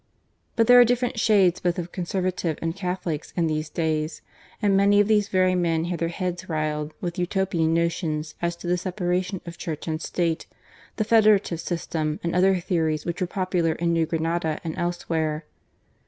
But there are different shades both of Conservatives and Catholics in these days ; and many of these very men had their heads filled with Utopian notions as to the separation of Church and State, the federa tive system, and other theories which were popular in New Grenada and elsewhere.